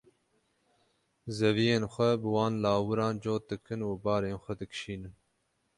Zeviyên xwe bi wan lawiran cot dikin û barên xwe dikişînin.